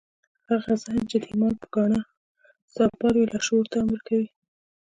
هغه ذهن چې د ايمان په ګاڼه سمبال وي لاشعور ته امر کوي.